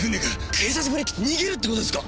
警察振り切って逃げるってことですか？